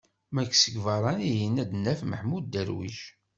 Ma seg yibeṛṛaniyen ad d-naf: Maḥmud Darwic.